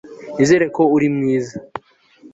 nizere ko uri mwiza